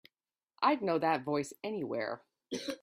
I'd know that voice anywhere.